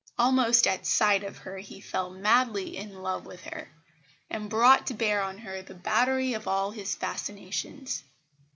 Almost at sight of her he fell madly in love with her, and brought to bear on her the battery of all his fascinations.